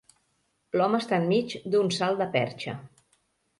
l'home està enmig d'un salt de perxa